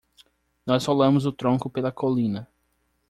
Nós rolamos o tronco pela colina.